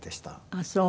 あっそう。